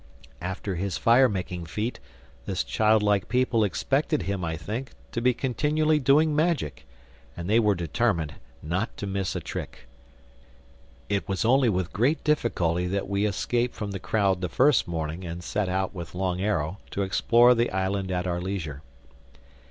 After his fire making feat, this childlike people expected him, I think, to be continually doing magic; and they were determined not to miss a trick. It was only with great difficulty that we escaped from the crowd the first morning and set out with Long Arrow to explore the island at our leisure.